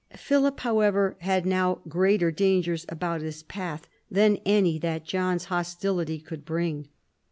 Philip, however, had now greater dangers about his path than any that John's hostility could bring.